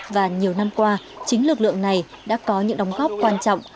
và nhiều năm qua chính lực lượng này đã có những đóng góp quan trọng